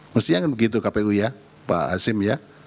mestinya begitu kpu ya pak asim ya